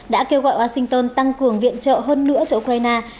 đã kêu gọi washington tăng cường viện trợ hơn nữa cho ukraine